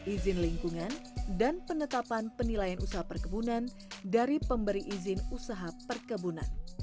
izin lingkungan dan penetapan penilaian usaha perkebunan dari pemberi izin usaha perkebunan